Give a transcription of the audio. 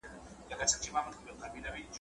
« ته به ښه سړی یې خو زموږ کلی مُلا نه نیسي» `